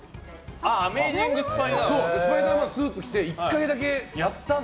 スパイダースーツ着て１回だけやったんだ。